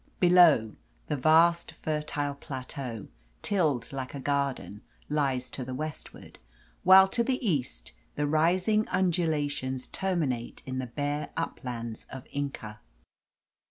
Below, the vast fertile plateau, tilled like a garden, lies to the westward, while to the east the rising undulations terminate in the bare uplands of Inca.